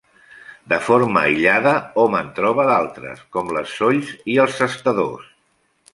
De forma aïllada hom en troba d'altres, com les solls i els sestadors.